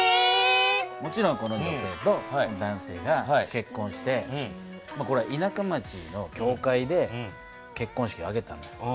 もちろんこの女性と男性が結こんしてこれは田舎町の教会で結こん式を挙げたの。